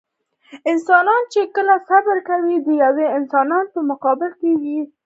انسان چې کله صبر کوي د يوه انسان په مقابل کې وي.